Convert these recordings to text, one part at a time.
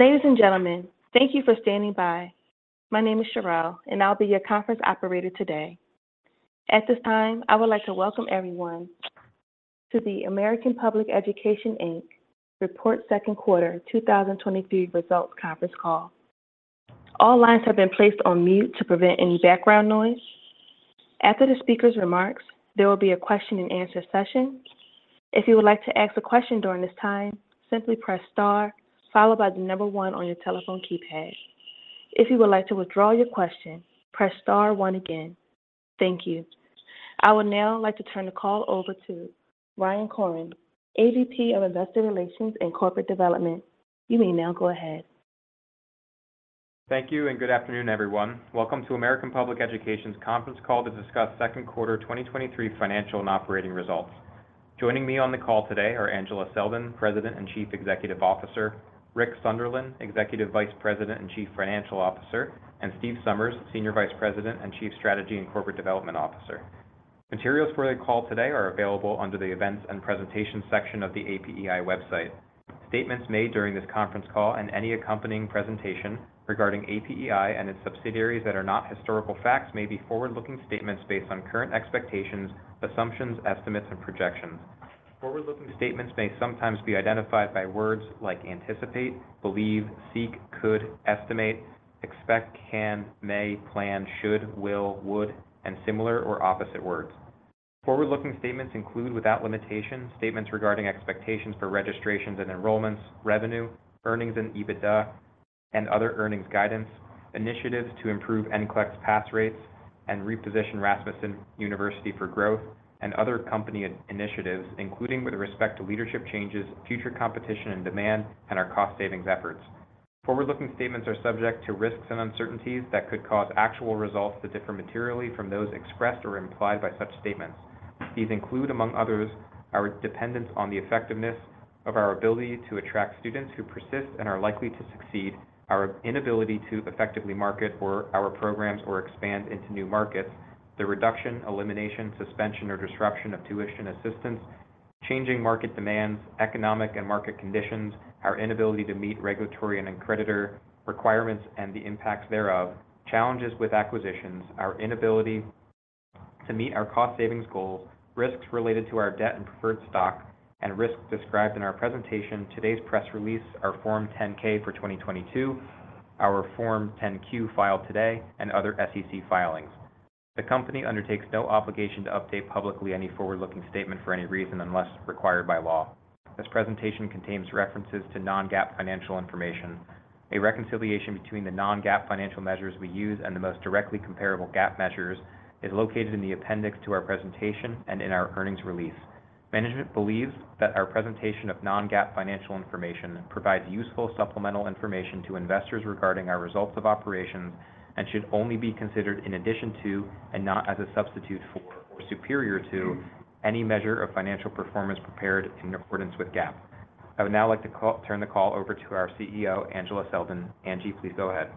Ladies and gentlemen, thank you for standing by. My name is Cherelle, and I'll be your conference operator today. At this time, I would like to welcome everyone to the American Public Education, Inc. Report Second Quarter 2023 Results Conference Call. All lines have been placed on mute to prevent any background noise. After the speaker's remarks, there will be a question and answer session. If you would like to ask a question during this time, simply press star, followed by the number one on your telephone keypad. If you would like to withdraw your question, press star one again. Thank you. I would now like to turn the call over to Ryan Koren, AVP of Investor Relations and Corporate Development. You may now go ahead. Thank you and good afternoon, everyone. Welcome to American Public Education's conference call to discuss second quarter 2023 financial and operating results. Joining me on the call today are Angela Selden, President and Chief Executive Officer; Richard Sunderland, Executive Vice President and Chief Financial Officer; and Steve Somers, Senior Vice President and Chief Strategy and Corporate Development Officer. Materials for the call today are available under the Events and Presentation section of the APEI website. Statements made during this conference call and any accompanying presentation regarding APEI and its subsidiaries that are not historical facts may be forward-looking statements based on current expectations, assumptions, estimates, and projections. Forward-looking statements may sometimes be identified by words like anticipate, believe, seek, could, estimate, expect, can, may, plan, should, will, would, and similar or opposite words. Forward-looking statements include, without limitation, statements regarding expectations for registrations and enrollments, revenue, earnings and EBITDA, and other earnings guidance, initiatives to improve NCLEX pass rates and reposition Rasmussen University for growth and other company initiatives, including with respect to leadership changes, future competition and demand, and our cost savings efforts. Forward-looking statements are subject to risks and uncertainties that could cause actual results to differ materially from those expressed or implied by such statements. These include, among others, our dependence on the effectiveness of our ability to attract students who persist and are likely to succeed, our inability to effectively market for our programs or expand into new markets, the reduction, elimination, suspension, or disruption of tuition assistance, changing market demands, economic and market conditions, our inability to meet regulatory and accreditor requirements and the impacts thereof, challenges with acquisitions, our inability to meet our cost savings goals, risks related to our debt and preferred stock, and risks described in our presentation, today's press release, our Form 10-K for 2022, our Form 10-Q filed today, and other SEC filings. The company undertakes no obligation to update publicly any forward-looking statement for any reason unless required by law. This presentation contains references to non-GAAP financial information. A reconciliation between the non-GAAP financial measures we use and the most directly comparable GAAP measures is located in the appendix to our presentation and in our earnings release. Management believes that our presentation of non-GAAP financial information provides useful supplemental information to investors regarding our results of operations and should only be considered in addition to, and not as a substitute for or superior to, any measure of financial performance prepared in accordance with GAAP. I would now like to turn the call over to our CEO, Angela Selden. Angie, please go ahead.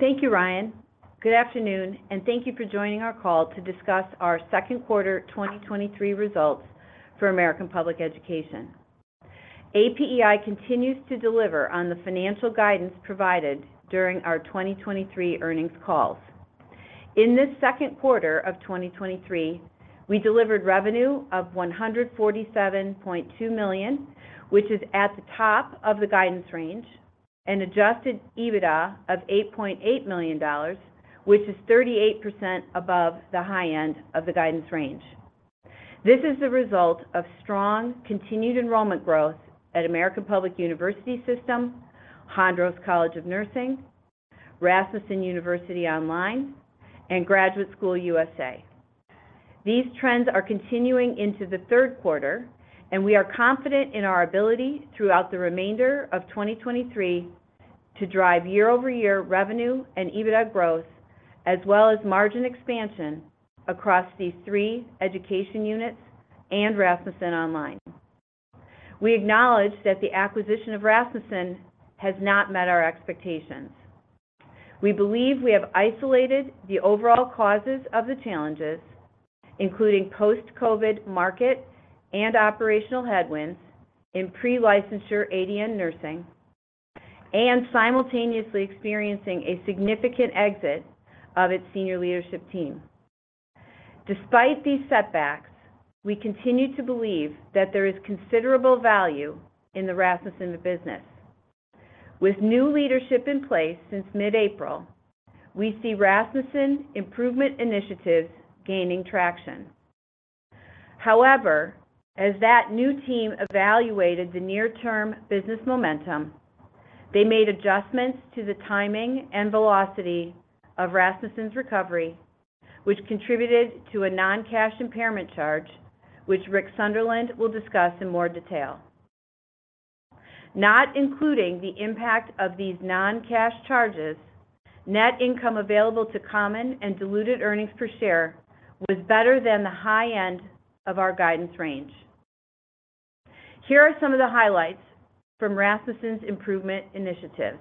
Thank you, Ryan. Good afternoon, and thank you for joining our call to discuss our second quarter 2023 results for American Public Education. APEI continues to deliver on the financial guidance provided during our 2023 earnings calls. In this second quarter of 2023, we delivered revenue of $147.2 million, which is at the top of the guidance range, and adjusted EBITDA of $8.8 million, which is 38% above the high end of the guidance range. This is the result of strong, continued enrollment growth at American Public University System, Hondros College of Nursing, Rasmussen University Online, and Graduate School USA. These trends are continuing into the third quarter, and we are confident in our ability throughout the remainder of 2023 to drive year-over-year revenue and EBITDA growth, as well as margin expansion across these three education units and Rasmussen Online. We acknowledge that the acquisition of Rasmussen has not met our expectations. We believe we have isolated the overall causes of the challenges, including post-COVID market and operational headwinds in pre-licensure ADN nursing and simultaneously experiencing a significant exit of its senior leadership team. Despite these setbacks, we continue to believe that there is considerable value in the Rasmussen business. With new leadership in place since mid-April, we see Rasmussen improvement initiatives gaining traction. As that new team evaluated the near-term business momentum, they made adjustments to the timing and velocity of Rasmussen's recovery, which contributed to a non-cash impairment charge, which Richard Sunderland will discuss in more detail. Not including the impact of these non-cash charges, net income available to common and diluted earnings per share was better than the high end of our guidance range. Here are some of the highlights from Rasmussen's improvement initiatives....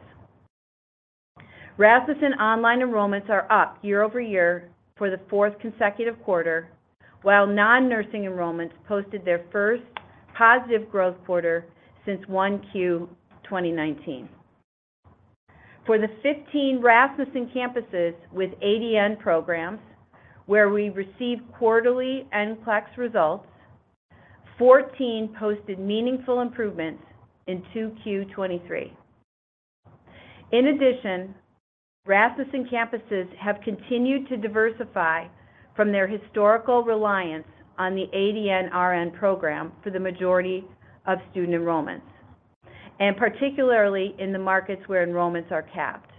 Rasmussen online enrollments are up year-over-year for the fourth consecutive quarter, while non-nursing enrollments posted their first positive growth quarter since 1Q 2019. For the 15 Rasmussen campuses with ADN programs where we received quarterly NCLEX results, 14 posted meaningful improvements in 2Q 2023. In addition, Rasmussen campuses have continued to diversify from their historical reliance on the ADN-RN program for the majority of student enrollments, and particularly in the markets where enrollments are capped.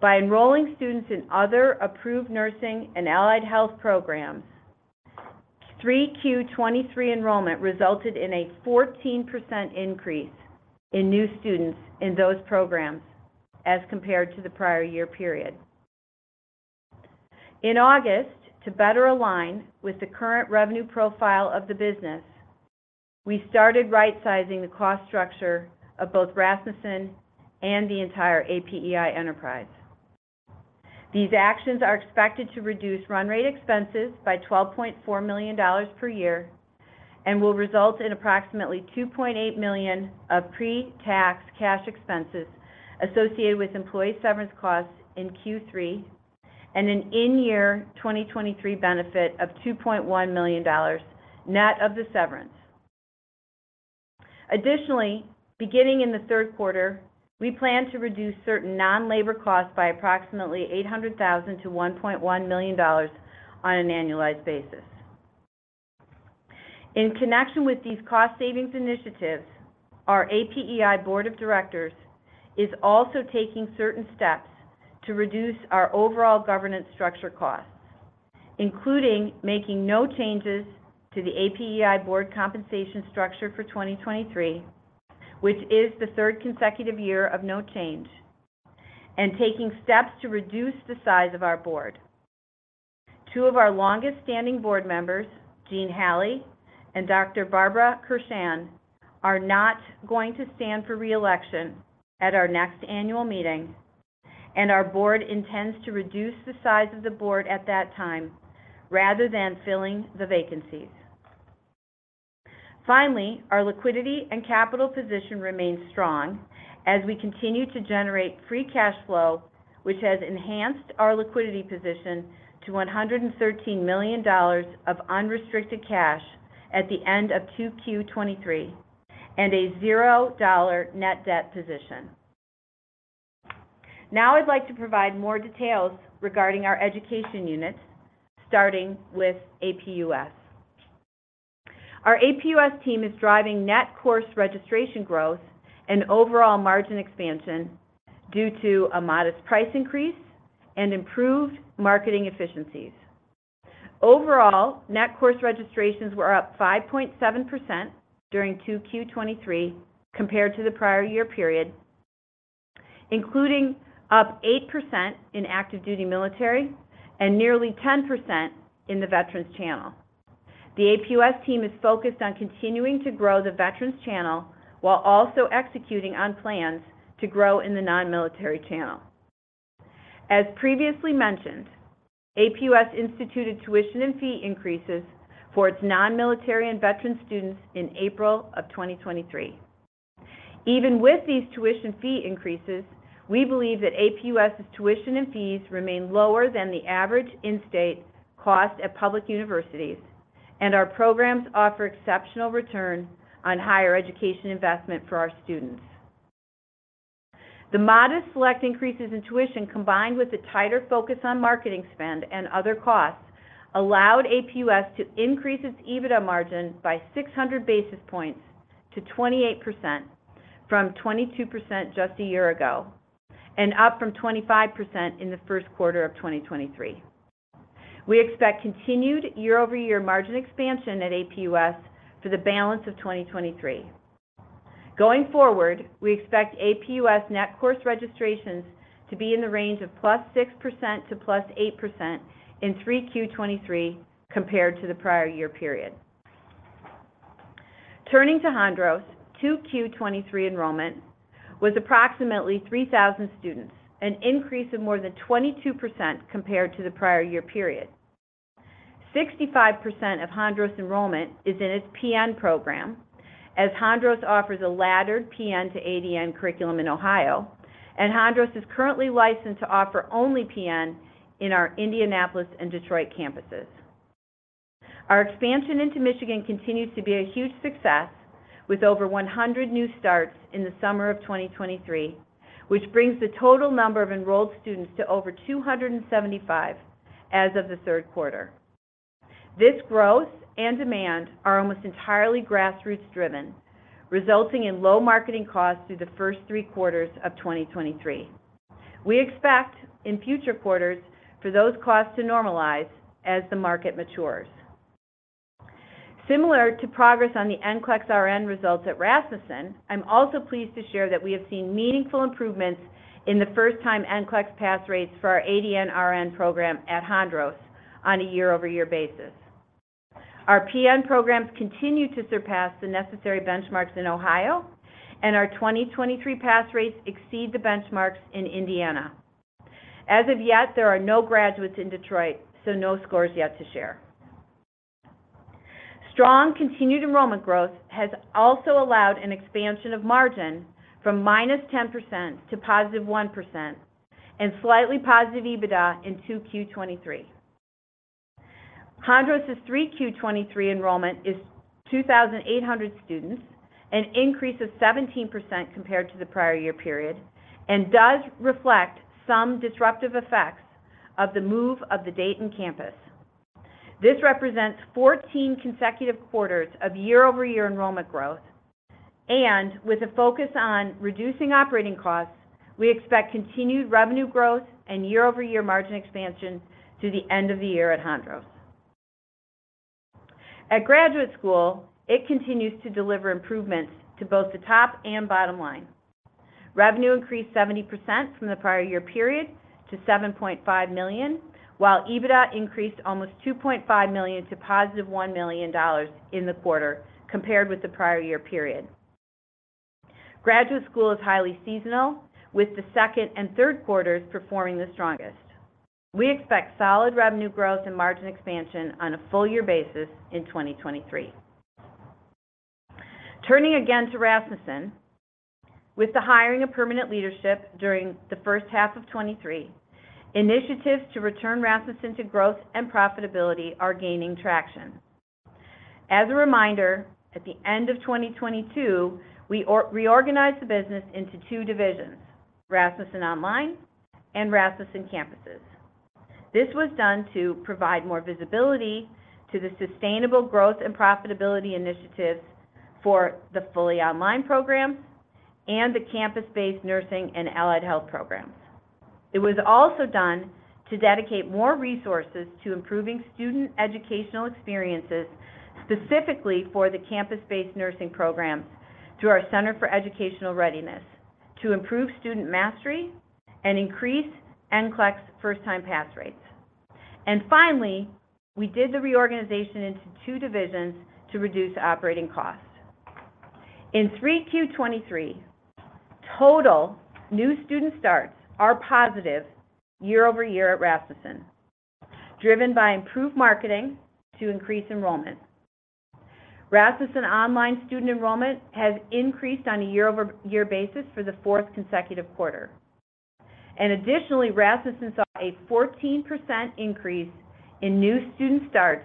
By enrolling students in other approved nursing and allied health programs, 3Q 2023 enrollment resulted in a 14% increase in new students in those programs as compared to the prior year period. In August, to better align with the current revenue profile of the business, we started rightsizing the cost structure of both Rasmussen and the entire APEI enterprise. These actions are expected to reduce run rate expenses by $12.4 million per year, and will result in approximately $2.8 million of pre-tax cash expenses associated with employee severance costs in Q3, and an in-year 2023 benefit of $2.1 million net of the severance. Additionally, beginning in the third quarter, we plan to reduce certain non-labor costs by approximately $800,000-$1.1 million on an annualized basis. In connection with these cost savings initiatives, our APEI Board of Directors is also taking certain steps to reduce our overall governance structure costs, including making no changes to the APEI board compensation structure for 2023, which is the third consecutive year of no change, and taking steps to reduce the size of our board. Two of our longest standing board members, Jean Halle and Dr. Barbara Kurshan, are not going to stand for re-election at our next annual meeting. Our board intends to reduce the size of the board at that time, rather than filling the vacancies. Finally, our liquidity and capital position remains strong as we continue to generate free cash flow, which has enhanced our liquidity position to $113 million of unrestricted cash at the end of 2Q 2023 and a $0 net debt position. Now, I'd like to provide more details regarding our education unit, starting with APUS. Our APUS team is driving net course registration growth and overall margin expansion due to a modest price increase and improved marketing efficiencies. Overall, net course registrations were up 5.7% during 2Q 2023 compared to the prior year period, including up 8% in active-duty military and nearly 10% in the veterans channel. The APUS team is focused on continuing to grow the veterans channel while also executing on plans to grow in the non-military channel. As previously mentioned, APUS instituted tuition and fee increases for its non-military and veteran students in April of 2023. Even with these tuition fee increases, we believe that APUS's tuition and fees remain lower than the average in-state cost at public universities, and our programs offer exceptional return on higher education investment for our students. The modest select increases in tuition, combined with the tighter focus on marketing spend and other costs, allowed APUS to increase its EBITDA margin by 600 basis points to 28% from 22% just a year ago. Up from 25% in the first quarter of 2023. We expect continued year-over-year margin expansion at APUS for the balance of 2023. Going forward, we expect APUS net course registrations to be in the range of +6% to +8% in 3Q 2023 compared to the prior year period. Turning to Hondros, 2Q 2023 enrollment was approximately 3,000 students, an increase of more than 22% compared to the prior year period. 65% of Hondros enrollment is in its PN program, as Hondros offers a laddered PN to ADN curriculum in Ohio. Hondros is currently licensed to offer only PN in our Indianapolis and Detroit campuses. Our expansion into Michigan continues to be a huge success, with over 100 new starts in the summer of 2023, which brings the total number of enrolled students to over 275 as of the third quarter. This growth and demand are almost entirely grassroots-driven, resulting in low marketing costs through the first three quarters of 2023. We expect in future quarters for those costs to normalize as the market matures. Similar to progress on the NCLEX-RN results at Rasmussen, I'm also pleased to share that we have seen meaningful improvements in the first-time NCLEX pass rates for our ADN-RN program at Hondros on a year-over-year basis... Our PN programs continue to surpass the necessary benchmarks in Ohio, and our 2023 pass rates exceed the benchmarks in Indiana. As of yet, there are no graduates in Detroit, so no scores yet to share. Strong continued enrollment growth has also allowed an expansion of margin from -10% to +1% and slightly positive EBITDA in 2Q 2023. Hondros' 3Q 2023 enrollment is 2,800 students, an increase of 17% compared to the prior year period. Does reflect some disruptive effects of the move of the Dayton campus. This represents 14 consecutive quarters of year-over-year enrollment growth. With a focus on reducing operating costs, we expect continued revenue growth and year-over-year margin expansion through the end of the year at Hondros. At Graduate School, it continues to deliver improvements to both the top and bottom line. Revenue increased 70% from the prior year period to $7.5 million, while EBITDA increased almost $2.5 million to positive $1 million in the quarter compared with the prior year period. Graduate School is highly seasonal, with the second and third quarters performing the strongest. We expect solid revenue growth and margin expansion on a full year basis in 2023. Turning again to Rasmussen, with the hiring of permanent leadership during the first half of 2023, initiatives to return Rasmussen to growth and profitability are gaining traction. As a reminder, at the end of 2022, we reorganized the business into two divisions: Rasmussen Online and Rasmussen Campuses. This was done to provide more visibility to the sustainable growth and profitability initiatives for the fully online program and the campus-based nursing and allied health programs. It was also done to dedicate more resources to improving student educational experiences, specifically for the campus-based nursing programs, through our center for educational readiness, to improve student mastery and increase NCLEX first-time pass rates. Finally, we did the reorganization into two divisions to reduce operating costs. In 3Q 2023, total new student starts are positive year-over-year at Rasmussen, driven by improved marketing to increase enrollment. Rasmussen online student enrollment has increased on a year-over-year basis for the fourth consecutive quarter. Additionally, Rasmussen saw a 14% increase in new student starts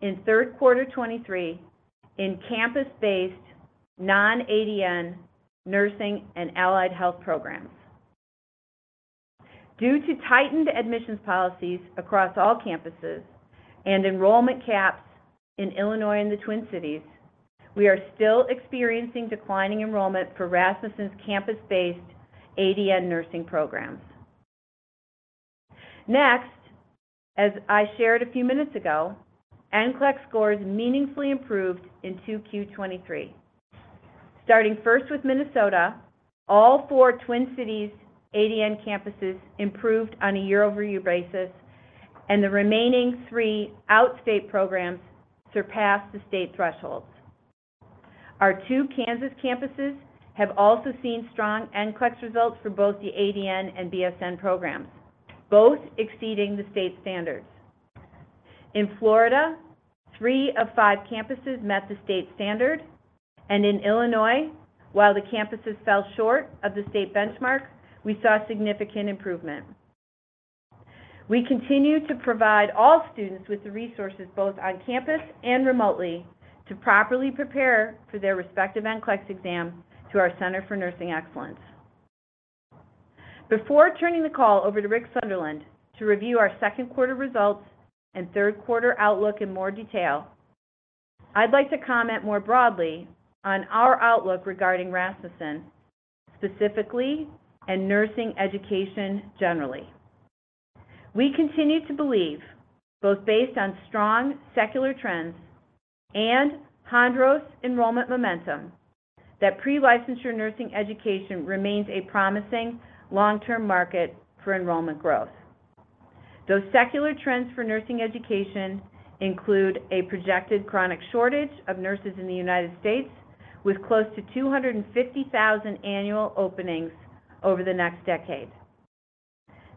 in third quarter 2023 in campus-based, non-ADN nursing and allied health programs. Due to tightened admissions policies across all campuses and enrollment caps in Illinois and the Twin Cities, we are still experiencing declining enrollment for Rasmussen's campus-based ADN nursing programs. As I shared a few minutes ago, NCLEX scores meaningfully improved in 2Q 2023. Starting first with Minnesota, all four Twin Cities ADN campuses improved on a year-over-year basis, and the remaining three outstate programs surpassed the state thresholds. Our two Kansas campuses have also seen strong NCLEX results for both the ADN and BSN programs, both exceeding the state standards. In Florida, three of five campuses met the state standard, and in Illinois, while the campuses fell short of the state benchmark, we saw significant improvement. We continue to provide all students with the resources, both on campus and remotely, to properly prepare for their respective NCLEX exam through our center for nursing excellence. Before turning the call over to Richard Sunderland to review our second quarter results and third quarter outlook in more detail, I'd like to comment more broadly on our outlook regarding Rasmussen, specifically, and nursing education, generally. We continue to believe, both based on strong secular trends and Hondros enrollment momentum, that pre-licensure nursing education remains a promising long-term market for enrollment growth. Those secular trends for nursing education include a projected chronic shortage of nurses in the United States, with close to 250,000 annual openings over the next decade.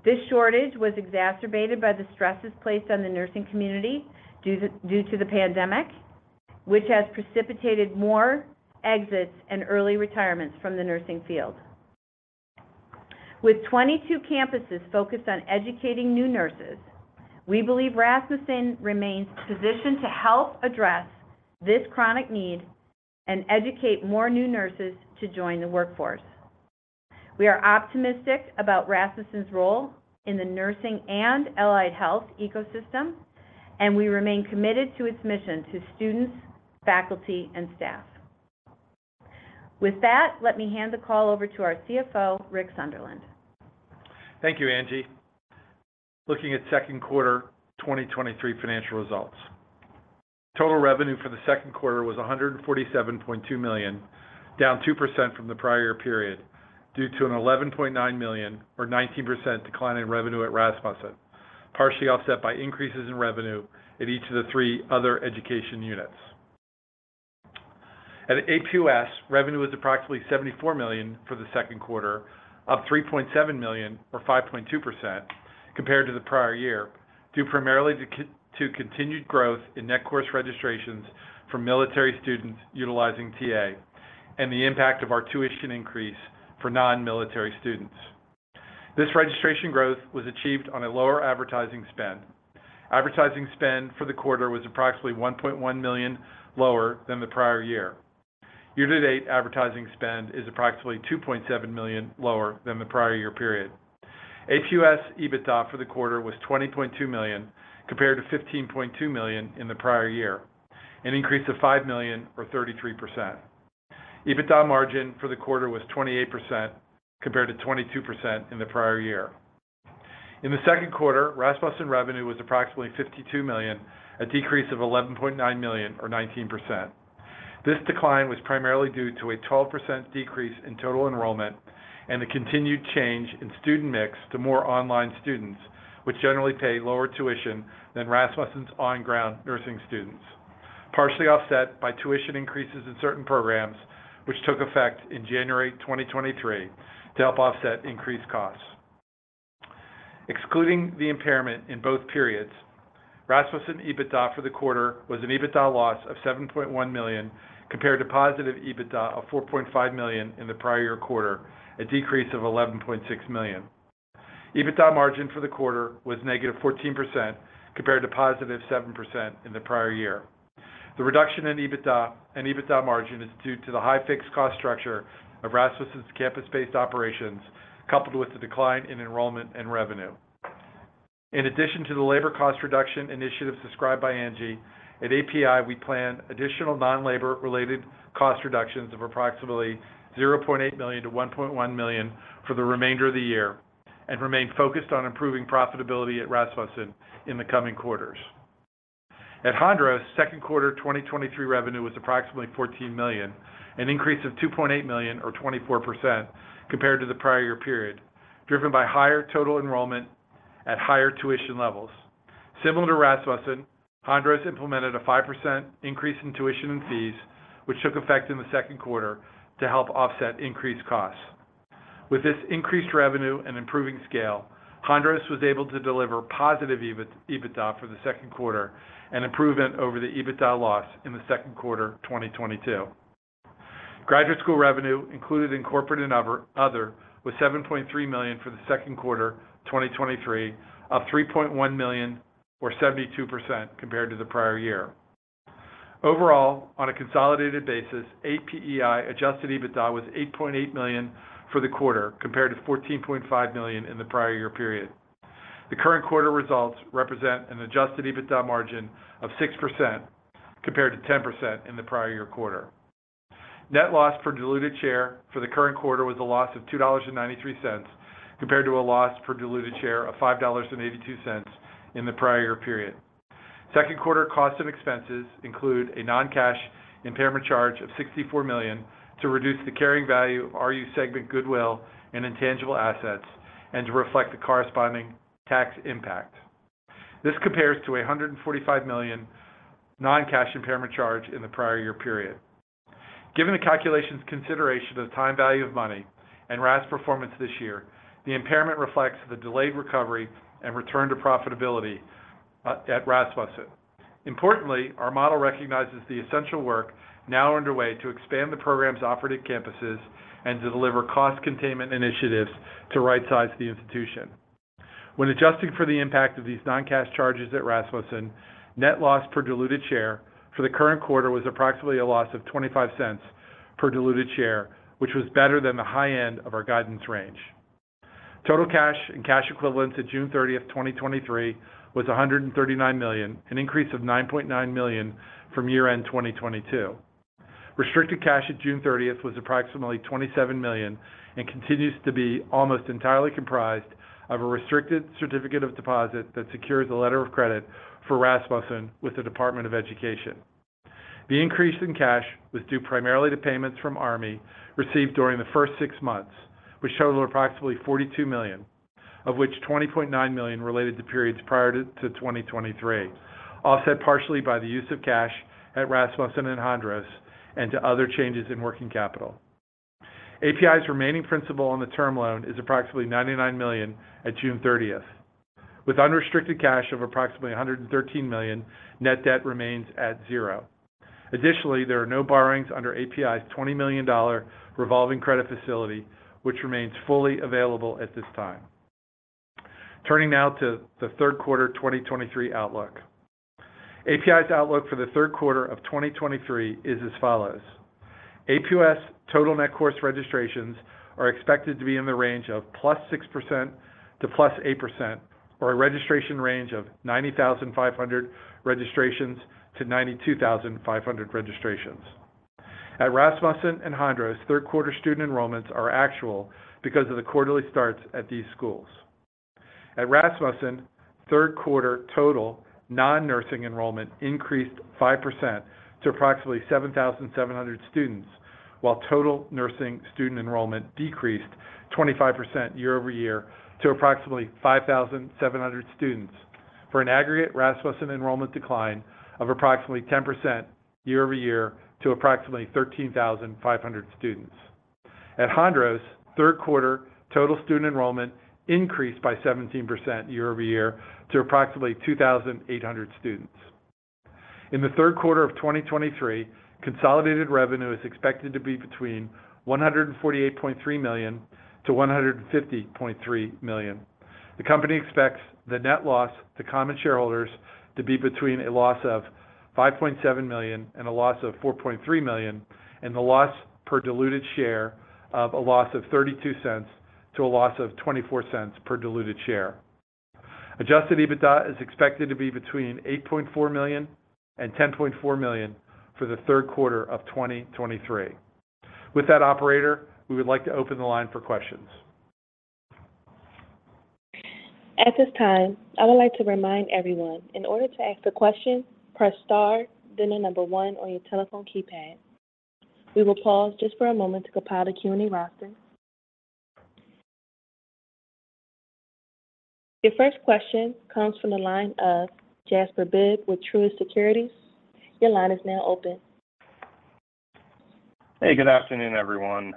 This shortage was exacerbated by the stresses placed on the nursing community due to, due to the pandemic, which has precipitated more exits and early retirements from the nursing field. With 22 campuses focused on educating new nurses, we believe Rasmussen remains positioned to help address this chronic need and educate more new nurses to join the workforce. We are optimistic about Rasmussen's role in the nursing and allied health ecosystem, and we remain committed to its mission to students, faculty, and staff. With that, let me hand the call over to our CFO, Richard Sunderland. Thank you, Angie. Looking at second quarter 2023 financial results. Total revenue for the second quarter was $147.2 million, down 2% from the prior period due to an $11.9 million, or 19% decline in revenue at Rasmussen, partially offset by increases in revenue at each of the three other education units. At APUS, revenue was approximately $74 million for the second quarter, up $3.7 million, or 5.2%, compared to the prior year, due primarily to continued growth in net course registrations for military students utilizing TA and the impact of our tuition increase for non-military students. This registration growth was achieved on a lower advertising spend. Advertising spend for the quarter was approximately $1.1 million lower than the prior year. Year-to-date advertising spend is approximately $2.7 million lower than the prior year period. APUS EBITDA for the quarter was $20.2 million, compared to $15.2 million in the prior year, an increase of $5 million or 33%. EBITDA margin for the quarter was 28%, compared to 22% in the prior year. In the second quarter, Rasmussen revenue was approximately $52 million, a decrease of $11.9 million or 19%. This decline was primarily due to a 12% decrease in total enrollment and the continued change in student mix to more online students, which generally pay lower tuition than Rasmussen's on-ground nursing students. Partially offset by tuition increases in certain programs, which took effect in January 2023 to help offset increased costs. Excluding the impairment in both periods, Rasmussen EBITDA for the quarter was an EBITDA loss of $7.1 million, compared to positive EBITDA of $4.5 million in the prior year quarter, a decrease of $11.6 million. EBITDA margin for the quarter was negative 14%, compared to positive 7% in the prior year. The reduction in EBITDA and EBITDA margin is due to the high fixed cost structure of Rasmussen's campus-based operations, coupled with the decline in enrollment and revenue. In addition to the labor cost reduction initiatives described by Angie, at APEI, we plan additional non-labor-related cost reductions of approximately $0.8 million-$1.1 million for the remainder of the year. Remain focused on improving profitability at Rasmussen in the coming quarters. At Hondros, second quarter 2023 revenue was approximately $14 million, an increase of $2.8 million or 24% compared to the prior year period, driven by higher total enrollment at higher tuition levels. Similar to Rasmussen, Hondros implemented a 5% increase in tuition and fees, which took effect in the second quarter to help offset increased costs. With this increased revenue and improving scale, Hondros was able to deliver positive EBITDA for the second quarter, an improvement over the EBITDA loss in the second quarter 2022. Graduate School revenue, included in corporate and other, was $7.3 million for the second quarter 2023, up $3.1 million or 72% compared to the prior year. Overall, on a consolidated basis, APEI adjusted EBITDA was $8.8 million for the quarter, compared to $14.5 million in the prior year period. The current quarter results represent an adjusted EBITDA margin of 6%, compared to 10% in the prior year quarter. Net loss per diluted share for the current quarter was a loss of $2.93, compared to a loss per diluted share of $5.82 in the prior period. Second quarter costs and expenses include a non-cash impairment charge of $64 million to reduce the carrying value of RU segment goodwill and intangible assets, and to reflect the corresponding tax impact. This compares to a $145 million non-cash impairment charge in the prior year period. Given the calculation's consideration of the time value of money and RAS performance this year, the impairment reflects the delayed recovery and return to profitability at Rasmussen. Importantly, our model recognizes the essential work now underway to expand the programs offered at campuses and to deliver cost containment initiatives to rightsize the institution. When adjusting for the impact of these non-cash charges at Rasmussen, net loss per diluted share for the current quarter was approximately a loss of $0.25 per diluted share, which was better than the high end of our guidance range. Total cash and cash equivalents at June 30th, 2023, was $139 million, an increase of $9.9 million from year-end 2022. Restricted cash at June 30th was approximately $27 million and continues to be almost entirely comprised of a restricted certificate of deposit that secures a letter of credit for Rasmussen with the Department of Education. The increase in cash was due primarily to payments from Army received during the first six months, which totaled approximately $42 million, of which $20.9 million related to periods prior to 2023, offset partially by the use of cash at Rasmussen and Hondros and to other changes in working capital. APEI's remaining principal on the term loan is approximately $99 million at June 30th. With unrestricted cash of approximately $113 million, net debt remains at zero. There are no borrowings under APEI's $20 million revolving credit facility, which remains fully available at this time. Turning now to the third quarter 2023 outlook. APEI's outlook for the third quarter of 2023 is as follows: APUS total net course registrations are expected to be in the range of +6% to +8%, or a registration range of 90,500 registrations to 92,500 registrations. At Rasmussen and Hondros, third quarter student enrollments are actual because of the quarterly starts at these schools. At Rasmussen, third quarter total non-nursing enrollment increased 5% to approximately 7,700 students, while total nursing student enrollment decreased 25% year-over-year to approximately 5,700 students, for an aggregate Rasmussen enrollment decline of approximately 10% year-over-year to approximately 13,500 students. At Hondros, third quarter total student enrollment increased by 17% year-over-year to approximately 2,800 students. In the third quarter of 2023, consolidated revenue is expected to be between $148.3 million-$150.3 million. The company expects the net loss to common shareholders to be between a loss of $5.7 million and a loss of $4.3 million, and the loss per diluted share of a loss of $0.32 to a loss of $0.24 per diluted share. Adjusted EBITDA is expected to be between $8.4 million and $10.4 million for the third quarter of 2023. With that, operator, we would like to open the line for questions. At this time, I would like to remind everyone, in order to ask a question, press star, then the one on your telephone keypad. We will pause just for a moment to compile the Q&A roster. Your first question comes from the line of Jasper Bibb with Truist Securities. Your line is now open. Hey, good afternoon, everyone.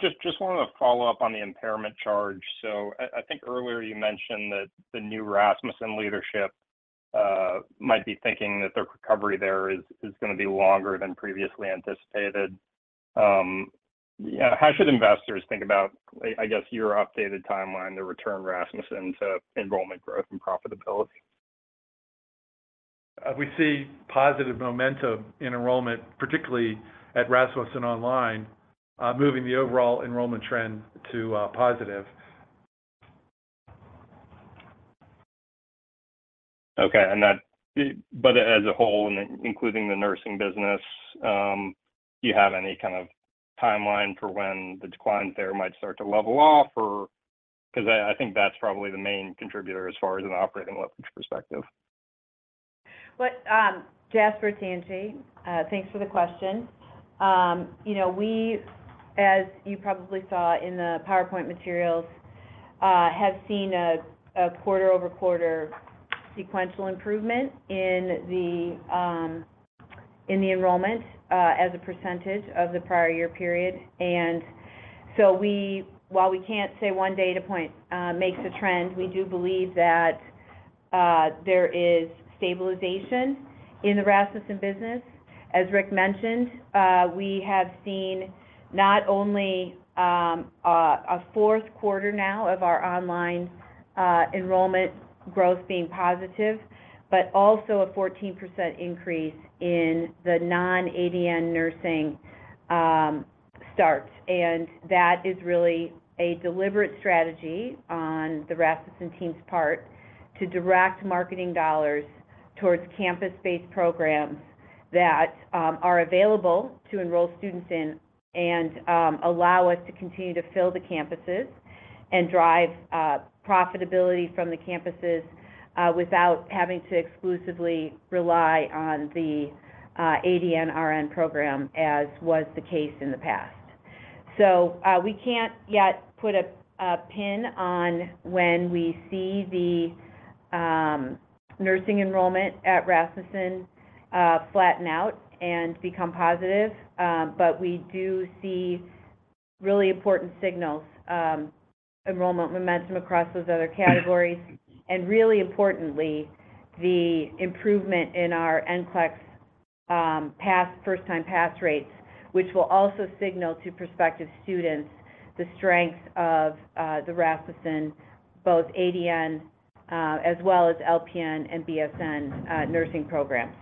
just wanted to follow up on the impairment charge. I think earlier you mentioned that the new Rasmussen leadership, might be thinking that the recovery there is gonna be longer than previously anticipated. Yeah, how should investors think about, I guess, your updated timeline to return Rasmussen to enrollment growth and profitability? We see positive momentum in enrollment, particularly at Rasmussen online, moving the overall enrollment trend to positive. Okay, as a whole, including the nursing business, do you have any kind of timeline for when the decline there might start to level off or? 'Cause I, I think that's probably the main contributor as far as an operating leverage perspective. Well, Jasper, it's Angie. Thanks for the question. You know, we, as you probably saw in the PowerPoint materials, have seen a quarter-over-quarter sequential improvement in the enrollment as a percentage of the prior year period. While we can't say one data point makes a trend, we do believe that there is stabilization in the Rasmussen business. As Rick mentioned, we have seen not only a fourth quarter now of our online enrollment growth being positive, but also a 14% increase in the non-ADN nursing starts. That is really a deliberate strategy on the Rasmussen team's part to direct marketing dollars towards campus-based programs that are available to enroll students in and allow us to continue to fill the campuses and drive profitability from the campuses without having to exclusively rely on the ADN-RN program, as was the case in the past. We can't yet put a pin on when we see the nursing enrollment at Rasmussen flatten out and become positive, but we do see really important signals, enrollment momentum across those other categories. Really importantly, the improvement in our NCLEX pass, first-time pass rates, which will also signal to prospective students the strength of the Rasmussen, both ADN, as well as LPN and BSN, nursing programs.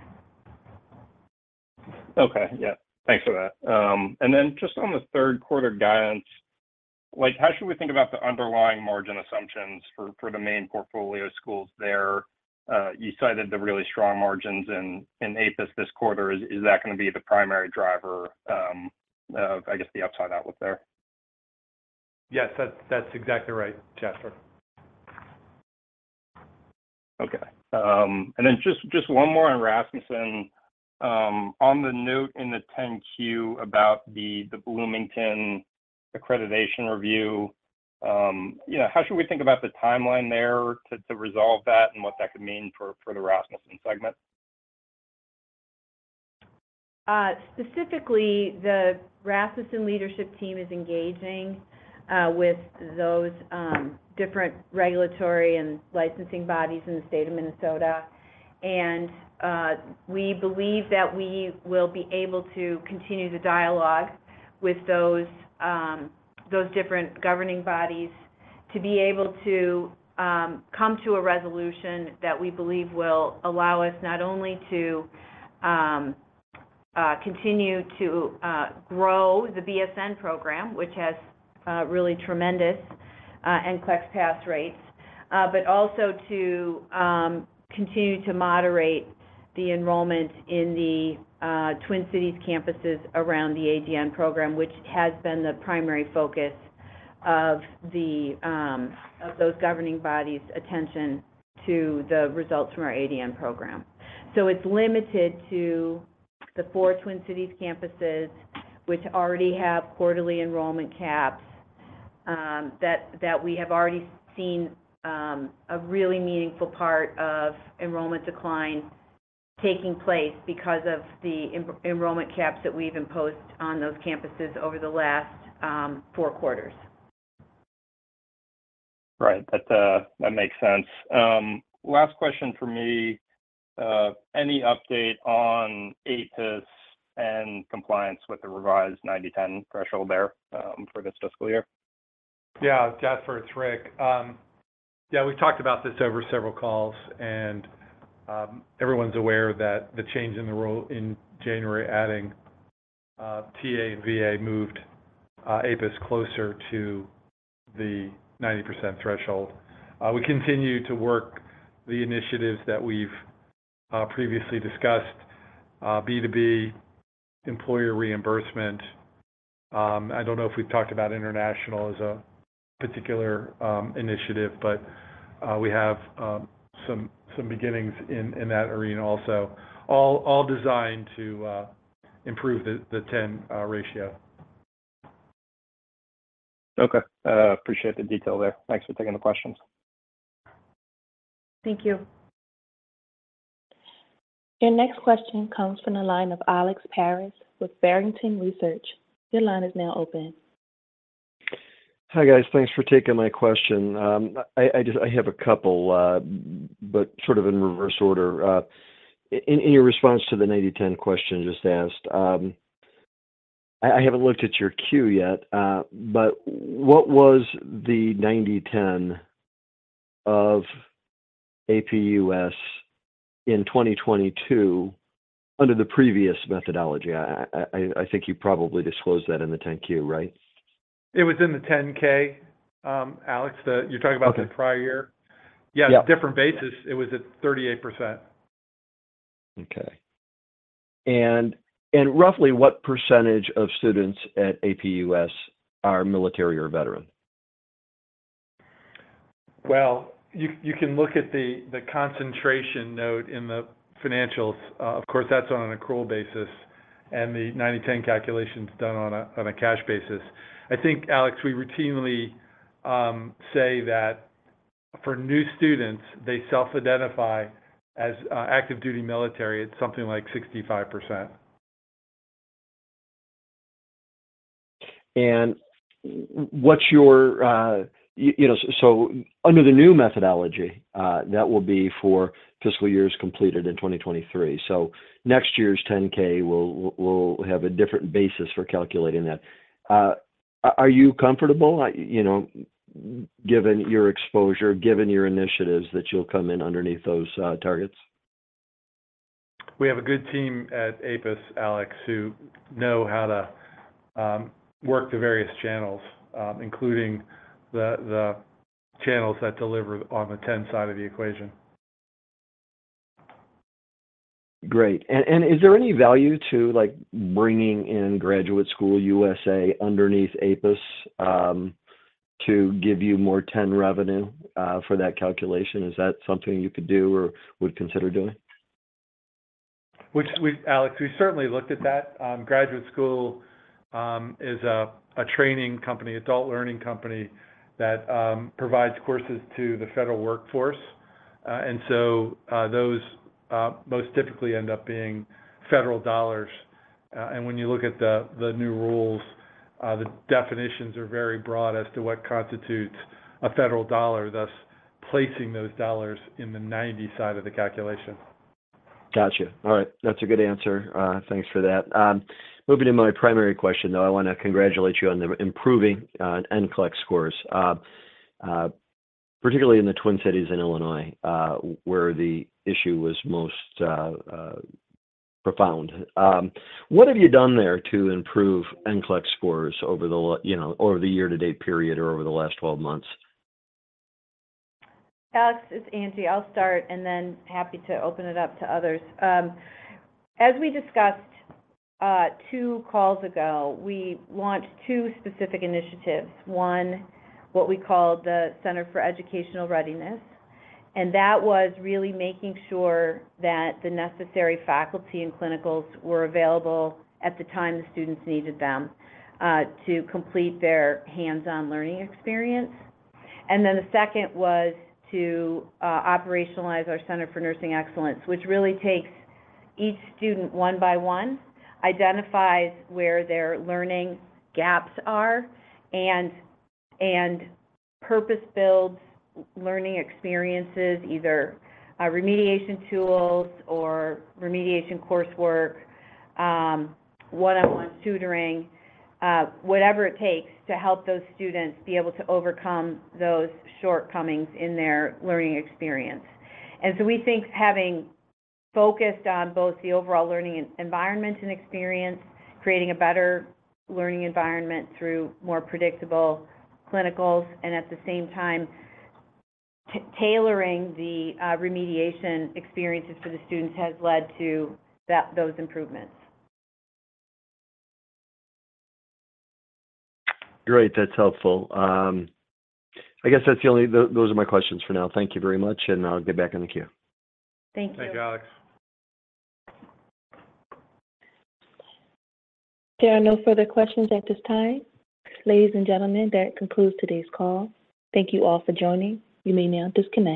Okay. Yeah, thanks for that. Then just on the third quarter guidance, like, how should we think about the underlying margin assumptions for, for the main portfolio schools there? You cited the really strong margins in, in APUS this quarter. Is, is that gonna be the primary driver, of, I guess, the upside outlook there? Yes, that's, that's exactly right, Jasper. Okay. Just, just one more on Rasmussen. On the note in the 10-Q about the, the Bloomington accreditation review, you know, how should we think about the timeline there to, to resolve that and what that could mean for, for the Rasmussen segment? Specifically, the Rasmussen leadership team is engaging with those different regulatory and licensing bodies in the state of Minnesota. We believe that we will be able to continue to dialogue with those those different governing bodies to be able to come to a resolution that we believe will allow us not only to continue to grow the BSN program, which has really tremendous NCLEX pass rates, but also to continue to moderate the enrollment in the Twin Cities campuses around the ADN program, which has been the primary focus of those governing bodies' attention to the results from our ADN program. It's limited to the four Twin Cities campuses, which already have quarterly enrollment caps, that we have already seen, a really meaningful part of enrollment decline taking place because of the enrollment caps that we've imposed on those campuses over the last, four quarters. Right. That, that makes sense. Last question from me, any update on APUS and compliance with the revised 90/10 threshold there, for this fiscal year? Yeah, Jasper, it's Rick. Yeah, we've talked about this over several calls, and everyone's aware that the change in the rule in January, adding TA and VA, moved APUS closer to the 90% threshold. We continue to work the initiatives that we've previously discussed, B2B, employer reimbursement. I don't know if we've talked about international as a particular initiative, but we have some, some beginnings in, in that arena also. All designed to improve the 10 ratio. Okay. Appreciate the detail there. Thanks for taking the questions. Thank you. Your next question comes from the line of Alexander Paris with Barrington Research. Your line is now open. Hi, guys. Thanks for taking my question. I, I have a couple, but sort of in reverse order. In, in your response to the 90/10 question just asked, I, I haven't looked at your Q yet, but what was the 90/10 of APUS in 2022 under the previous methodology? I, I, I think you probably disclosed that in the 10-Q, right? It was in the 10-K, Alex. Okay. You're talking about the prior year? Yeah. Yeah, different basis, it was at 38%. Okay. And roughly, what percent of students at APUS are military or veteran? Well, you, you can look at the, the concentration note in the financials. Of course, that's on an accrual basis, and the 90/10 calculation's done on a, on a cash basis. I think, Alex, we routinely say that for new students, they self-identify as active-duty military. It's something like 65%. What's your, you know, so under the new methodology, that will be for fiscal years completed in 2023. Next year's 10-K will have a different basis for calculating that. Are you comfortable, you know, given your exposure, given your initiatives, that you'll come in underneath those targets? We have a good team at APUS, Alex, who know how to work the various channels, including the, the channels that deliver on the 10 side of the equation. Great. Is there any value to, like, bringing in Graduate School USA underneath APUS to give you more 10 revenue for that calculation? Is that something you could do or would consider doing? Which we've-- Alex, we certainly looked at that. Graduate School is a, a training company, adult learning company, that provides courses to the federal workforce. Those most typically end up being federal dollars. When you look at the, the new rules, the definitions are very broad as to what constitutes a federal dollar, thus placing those dollars in the 90 side of the calculation. Gotcha. All right, that's a good answer. Thanks for that. Moving to my primary question, though, I want to congratulate you on the improving NCLEX scores, particularly in the Twin Cities in Illinois, where the issue was most profound. What have you done there to improve NCLEX scores over the la- you know, over the year-to-date period or over the last 12 months? Alex, it's Angie. I'll start, then happy to open it up to others. As we discussed, two calls ago, we launched two specific initiatives. One, what we call the center for educational readiness, and that was really making sure that the necessary faculty and clinicals were available at the time the students needed them, to complete their hands-on learning experience. Then the second was to operationalize our center for nursing excellence, which really takes each student one by one, identifies where their learning gaps are, and purpose builds learning experiences, either remediation tools or remediation coursework, one-on-one tutoring, whatever it takes to help those students be able to overcome those shortcomings in their learning experience. We think having focused on both the overall learning environment and experience, creating a better learning environment through more predictable clinicals, and at the same time, tailoring the remediation experiences for the students, has led to those improvements. Great, that's helpful. I guess that's the only... those are my questions for now. Thank you very much, and I'll get back in the queue. Thank you. Thanks, Alex. There are no further questions at this time. Ladies and gentlemen, that concludes today's call. Thank you all for joining. You may now disconnect.